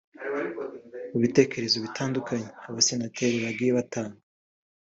Mu bitekerezo bitandukanye Abasenateri bagiye batanga